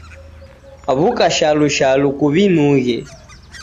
W'uka shalu shalu kuw'inughe.